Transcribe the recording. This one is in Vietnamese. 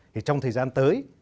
thì trong thời gian tới